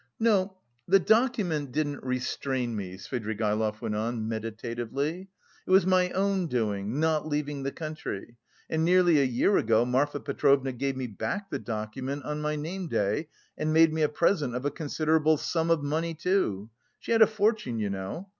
"No, the document didn't restrain me," Svidrigaïlov went on, meditatively. "It was my own doing, not leaving the country, and nearly a year ago Marfa Petrovna gave me back the document on my name day and made me a present of a considerable sum of money, too. She had a fortune, you know.